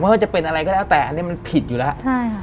ว่าจะเป็นอะไรก็แล้วแต่อันนี้มันผิดอยู่แล้วใช่ค่ะ